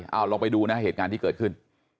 เอาลองไปดูนะเหตุการณ์ที่เกิดขึ้น